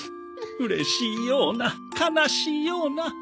うれしいような悲しいような。